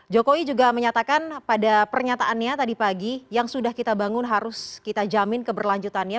jokowi juga menyatakan pada pernyataannya tadi pagi yang sudah kita bangun harus kita jamin keberlanjutannya